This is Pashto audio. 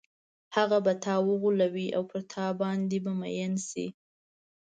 هغه به تا وغولوي او پر تا باندې به مئین شي.